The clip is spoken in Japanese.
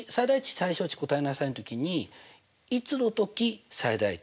・最小値答えなさいのときにいつのとき最大値